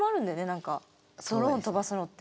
何かドローン飛ばすのって。